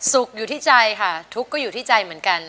อยู่ที่ใจค่ะทุกข์ก็อยู่ที่ใจเหมือนกัน